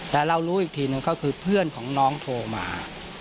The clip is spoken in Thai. แต่เรารู้อีกทีหนึ่งก็คือเพื่อนของน้องโทรมา